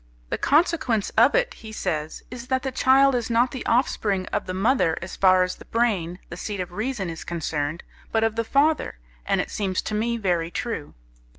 The consequence of it, he says, is that the child is not the offspring of the mother as far as the brain, the seat of reason, is concerned, but of the father, and it seems to me very true.